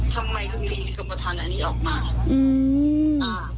ทำไมทุกทีสุขประทานอันนี้ออกมา